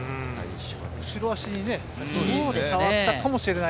後ろ足に触ったかもしれない。